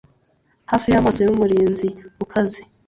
Hafi yamaso yumurinzi ukaze